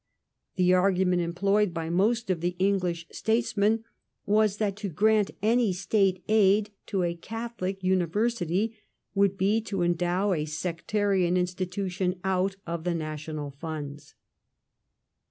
The argument employed by most of the English statesmen was that to grant any State aid to a Catholic university would be to endow a sectarian institution out of the national funds.